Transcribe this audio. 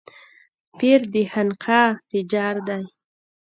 پير د خانقاه تجار دی.